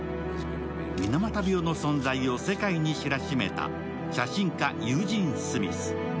水俣病の存在を世界に知らしめた写真家、ユージン・スミス。